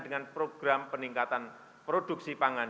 dengan program peningkatan produksi pangan